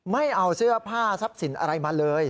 ไม่เอาเสื้อผ้าทรัพย์สินอะไรมาเลย